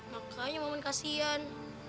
makanya maman kasihan